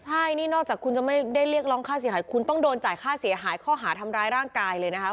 ใช่นี่นอกจากคุณจะไม่ได้เรียกร้องค่าเสียหายคุณต้องโดนจ่ายค่าเสียหายข้อหาทำร้ายร่างกายเลยนะคะ